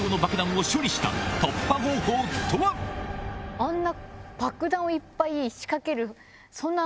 あんな。